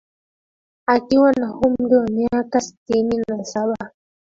Akiwa na umri wamiaka sitini na saba